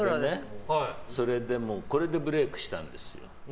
これでブレークしたんですよ。